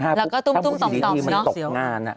แล้วก็ตุ้มต่อสิมันตกงาน